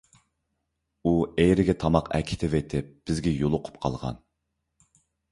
ئۇ ئېرىگە تاماق ئەكېتىۋېتىپ بىزگە يولۇقۇپ قالغان.